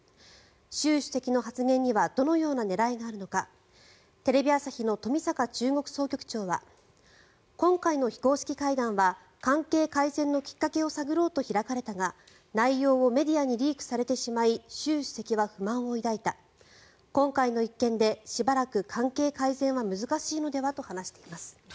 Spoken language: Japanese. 習主席の発言にはどのような狙いがあるのかテレビ朝日の冨坂中国総局長は今回の非公式会談は関係改善のきっかけを探ろうと開かれたが内容をメディアにリークされてしまい習主席は不満を抱いた今回の一件でしばらく関係改善は難しいのではと話しています。